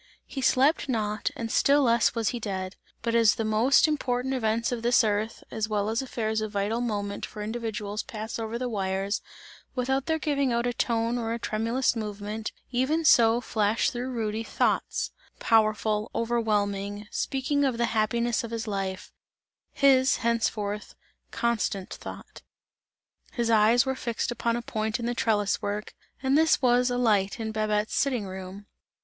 He slept not and still less was he dead; but as the most important events of this earth, as well as affairs of vital moment for individuals pass over the wires, without their giving out a tone or a tremulous movement, even so flashed through Rudy, thoughts powerful, overwhelming, speaking of the happiness of his life; his, henceforth, "constant thought." His eyes were fixed upon a point in the trellis work, and this was a light in Babette's sitting room.